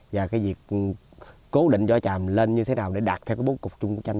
và việc cố định vỏ tràm lên như thế nào để đạt theo bốn cục chung tranh